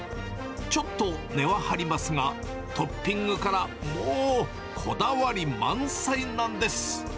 ちょっと値は張りますが、トッピングから、もう、こだわり満載なんです。